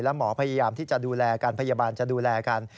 แล้วหมอพยายามที่จะดูแลกันพยาบาลจะดูแลกัน